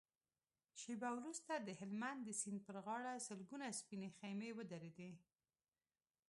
شېبه وروسته د هلمند د سيند پر غاړه سلګونه سپينې خيمې ودرېدې.